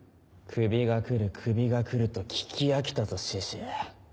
「首が来る首が来る」と聞き飽きたぞ肆氏。